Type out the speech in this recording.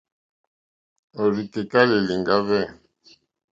Òrzì kèká lìlìŋɡá hwɛ̂.